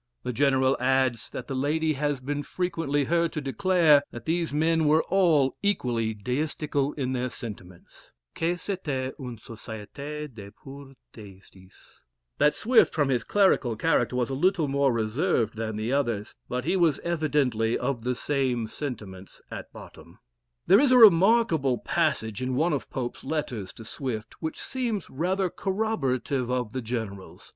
The General adds, that the lady has been frequently heard to declare, that these men were all equally deistical in their sentiments (que c'était une société de purs déistes;) that Swift from his clerical character was a little more reserved than the others, but he was evidently of the same sentiments at bottom. There is a remarkable passage in one of Pope's letters to Swift, which seems rather corroborative of the General's.